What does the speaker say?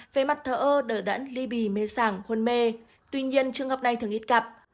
về mặt thở ơ đở đẫn ly bì mê sảng hôn mê tuy nhiên trường hợp này thường ít gặp